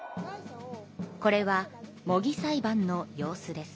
これは模擬裁判の様子です。